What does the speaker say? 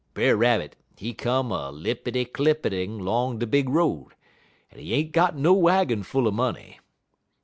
Brer Rabbit, he come a lippity clippitin' 'long de big road, en he ain't got no waggin full er money.